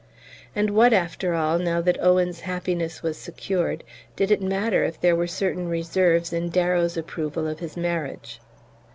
And what, after all, now that Owen's happiness was secured, did it matter if there were certain reserves in Darrow's approval of his marriage?